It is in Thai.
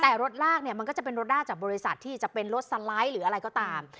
แต่รถลากเนี่ยมันก็จะเป็นรถลากจากบริษัทที่จะเป็นรถสไลด์หรืออะไรก็ตาม